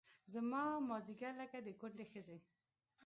زما مازدیګر لکه د کونډې ښځې